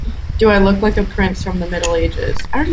Do I look like a prince from the Middle-Ages?